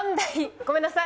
ごめんなさい。